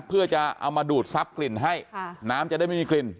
เพื่อจะเอามาดูดซับกลิ่นให้น้ำจะได้ไม่มีกลิ่น